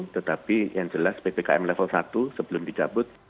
tetapi yang jelas ppkm level satu sebelum dicabut